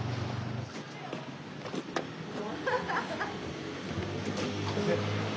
ハハハッ！